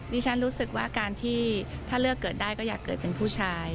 รู้สึกว่าการที่ถ้าเลือกเกิดได้ก็อยากเกิดเป็นผู้ชาย